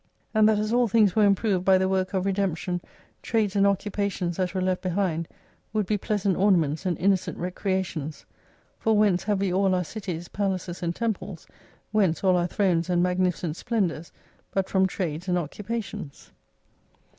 And that as all things were improved by the work of redemption, trades and occupations that were left behind, would be pleasant ornaments and innocent recreations ; for whence have we all our cities, palaces, and temples, whence all our thrones and magnificent splendours, but from trades and occupa tions